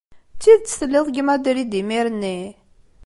D tidet telliḍ deg Madrid imir-nni?